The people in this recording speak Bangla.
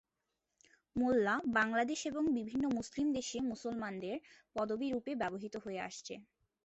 মোল্লা বাংলাদেশ এবং বিভিন্ন মুসলিম দেশে মুসলমানদের পদবী রুপে ব্যবহৃত হয়ে আসছে।